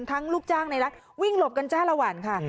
ทั้งลูกจ้างในร้านวิ่งหลบกันจ้าลวรค่ะ